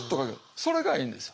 それがいいんですよ。